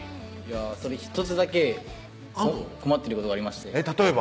１つだけ困ってることがありまして例えば？